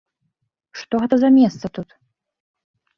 Што гэта за месца тут?